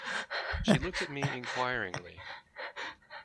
She looked at me inquiringly.